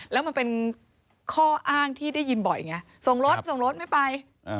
แล้วมันเป็นข้ออ้างที่ได้ยินบ่อยไงส่งรถส่งรถไม่ไป